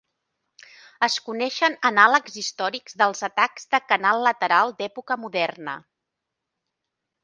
Es coneixen anàlegs històrics dels atacs de canal lateral d'època moderna.